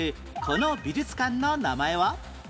この美術館の名前は？